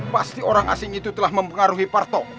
pasti orang asing itu telah mempengaruhi pak roto